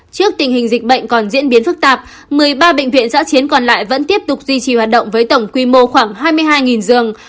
trước tình hình dịch bệnh còn diễn biến phức tạp một mươi ba bệnh viện giã chiến còn lại vẫn tiếp tục duy trì hoạt động với tổng quy mô khoảng hai mươi hai giường